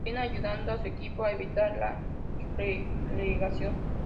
Siena, ayudando a su equipo a evitar la relegación.